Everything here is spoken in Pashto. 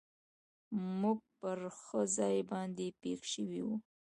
موږ پر ښه ځای باندې پېښ شوي و.